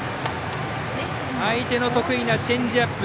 相手の得意なチェンジアップ。